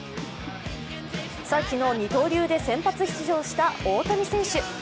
昨日、二刀流で先発出場した大谷選手。